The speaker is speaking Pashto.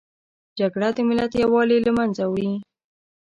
جګړه د ملت یووالي له منځه وړي